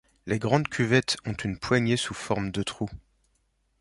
Les grandes cuvettes ont une poignée sous forme de trou.